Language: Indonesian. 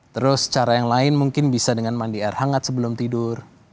terus cara yang lain mungkin bisa dengan mandi air hangat sebelum tidur